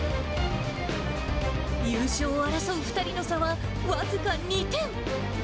優勝を争う２人の差は僅か２点。